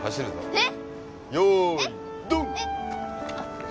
えっ